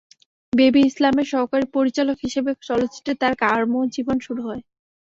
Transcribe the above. Baby ইসলামের সহকারী পরিচালক হিসেবে চলচ্চিত্রে তার কর্ম জীবন শুরু হয়।